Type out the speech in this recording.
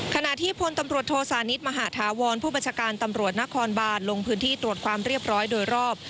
ขณะที่พลตำรวจโทสานิทมหาธาวรผู้บัญชาการตำรวจนครบานลงพื้นที่ตรวจความเรียบร้อยโดยรอบ